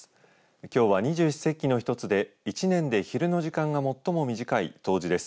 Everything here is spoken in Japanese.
きょうは二十四節気の一つで１年で昼の時間が最も短い冬至です。